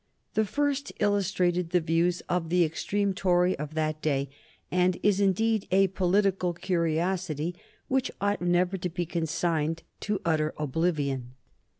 The first illustrated the views of the extreme Tory of that day, and is indeed a political curiosity which ought never to be consigned to utter oblivion.